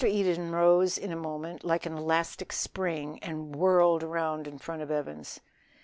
Eden rose in a moment like an elastic spring, and whirled round in front of Evans.